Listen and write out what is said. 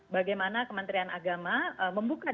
bagaimana kementerian agama membuka